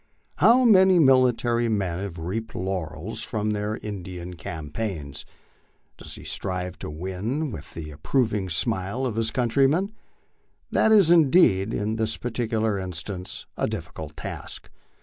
How many military men have reaped laurels from their In dian campaigns? Does he strive to win the approving smile of his country men? That is indeed, in this particular instance, a difficult task.